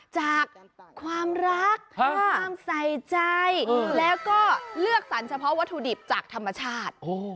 จากความรักความใส่ใจแล้วก็เลือกสรรเฉพาะวัตถุดิบจากธรรมชาติ